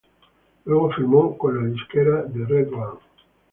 Luego firmó con la disquera de RedOne.